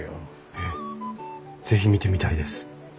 えっ是非見てみたいです。